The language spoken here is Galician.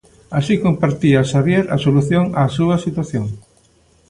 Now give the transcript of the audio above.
Así compartía Xavier a solución á súa situación.